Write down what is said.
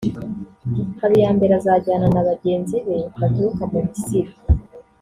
Habiyambere azajyana na bagenzibe baturuka mu Misiri